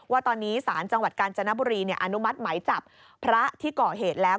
ว่าตอนนี้ศาลจังหวัดกาญจนบุรีอนุมัติไหมจับพระที่ก่อเหตุแล้ว